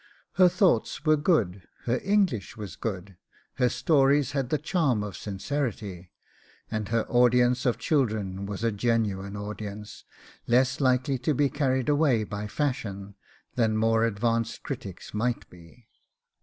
Her thoughts were good, her English was good, her stories had the charm of sincerity, and her audience of children was a genuine audience, less likely to be carried away by fashion than more advanced critics might be.